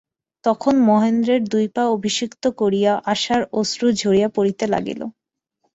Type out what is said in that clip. তখন মহেন্দ্রের দুই পা অভিষিক্ত করিয়া আশার অশ্রু ঝরিয়া পড়িতে লাগিল।